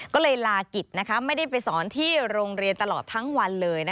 ก็เลยลากิจไม่ได้ไปสอนที่โรงเรียนตลอดทั้งวันเลย